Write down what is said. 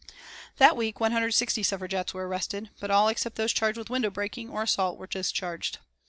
That week 160 Suffragettes were arrested, but all except those charged with window breaking or assault were discharged.